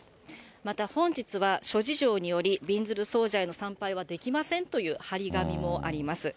また、本日は諸事情によるびんずる尊者への参拝はできませんという貼り紙もあります。